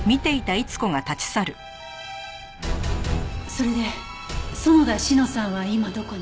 それで園田志乃さんは今どこに？